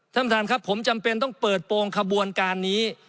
ท่านประธานครับผมจำเป็นต้องเปิดโปรงขบวนการนี้